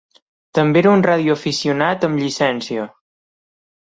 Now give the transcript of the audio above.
També era un radioaficionat amb llicència.